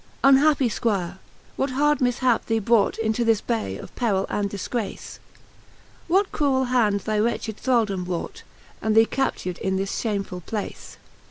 Unhappy Spuire, what hard miftiap thee brought Into this bay of perill and difgrace? What cruell hand thy wretched thraldome wrought, And thee captyved in this fhamefull place?